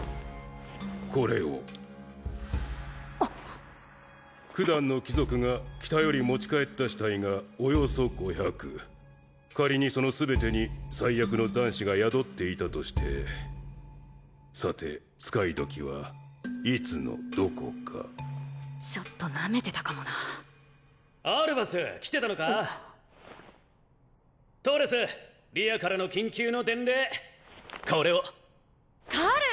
これをくだんの貴族が北より持ち帰った死体がおよそ５００仮にその全てに災厄の残滓が宿っていたとしてさて使いどきはいつのどこかちょっとなめてたかもなアルバス来てたのかトーレスリアからの緊急の伝令これをカル！